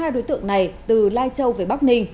ba đối tượng này từ lai châu về bắc ninh